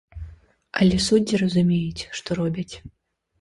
Але суддзі разумеюць, што робяць.